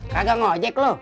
kagak ngajek lu